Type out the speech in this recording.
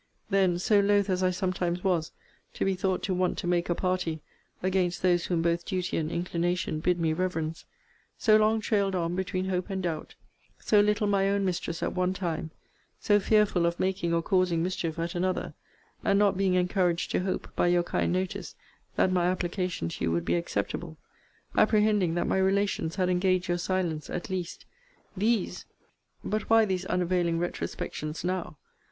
Then, so loth, as I sometimes was, to be thought to want to make a party against those whom both duty and inclination bid me reverence: so long trailed on between hope and doubt: so little my own mistress at one time; so fearful of making or causing mischief at another; and not being encouraged to hope, by your kind notice, that my application to you would be acceptable: apprehending that my relations had engaged your silence at least* THESE But why these unavailing retrospections now?